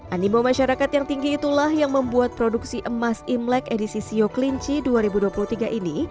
animo masyarakat yang tinggi itulah yang membuat produksi emas imlek edisi sioklinci dua ribu dua puluh tiga ini